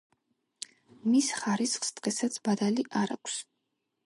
მის ხარისხს დღესაც ბადალი არ აქვს.